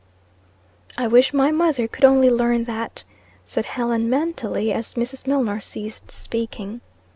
"I wish my mother could only learn that," said Helen, mentally, as Mrs. Milnor ceased speaking.